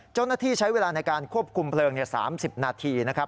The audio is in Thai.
เจ้าหน้าที่ใช้เวลาในการควบคุมเพลิง๓๐นาทีนะครับ